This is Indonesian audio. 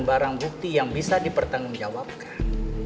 barang bukti yang bisa dipertanggung jawabkan